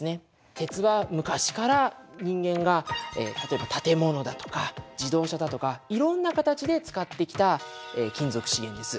鉄は昔から人間が例えば建物だとか自動車だとかいろんな形で使ってきた金属資源です。